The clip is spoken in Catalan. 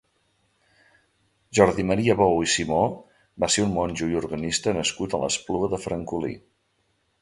Jordi Maria Bou i Simó va ser un monjo i organista nascut a l'Espluga de Francolí.